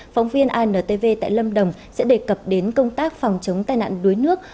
phóng viên intv tại lâm đồng sẽ đề cập đến công tác phòng chống tai nạn đuối nước